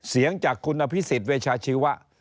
เสียงจากคุณอภิษฎเวชาชีวะ